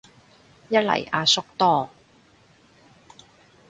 一嚟阿叔多